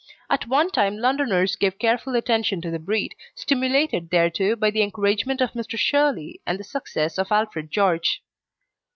At one time Londoners gave careful attention to the breed, stimulated thereto by the encouragement of Mr. Shirley and the success of Alfred George.